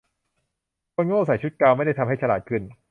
คนโง่ใส่ชุดกาวน์ไม่ได้ทำให้ฉลาดขึ้น